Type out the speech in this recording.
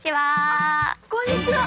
こんにちは。